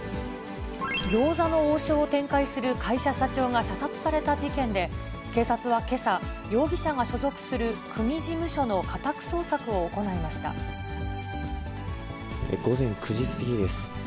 餃子の王将を展開する会社社長が射殺された事件で、警察はけさ、容疑者が所属する組事務所の午前９時過ぎです。